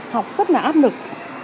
học rất là áp lực